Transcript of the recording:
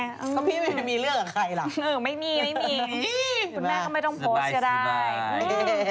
ก็พี่ไม่มีเรื่องกับใครหรอกคุณแม่ก็ไม่ต้องโพสก์ก็ได้สนาย